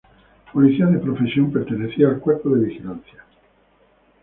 Policía de profesión, pertenecía al Cuerpo de Vigilancia.